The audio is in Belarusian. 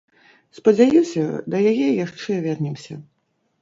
Спадзяюся, да яе яшчэ вернемся.